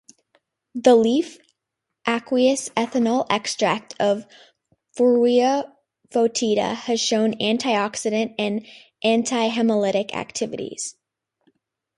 The leaf aqueous-ethanol extract of "Feruia foetida" has shown antioxidant and antihemolytic activities.